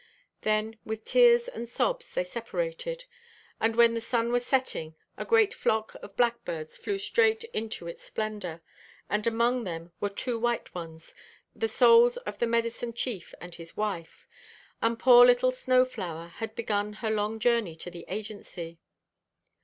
Then, with tears and sobs, they separated. And when the sun was setting, a great flock of blackbirds flew straight into its splendor; and among them were two white ones: the souls of the medicine chief and his wife. And poor little Snow flower had begun her long journey to the agency.